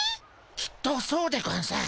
きっとそうでゴンス。